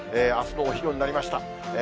あすのお昼になりました。